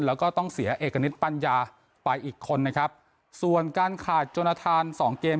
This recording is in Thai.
แล้วก็ต้องเสียเอกณิตปัญญาไปอีกคนนะครับส่วนการขาดจนทานสองเกม